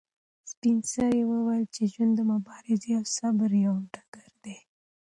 سپین سرې وویل چې ژوند د مبارزې او صبر یو ډګر دی.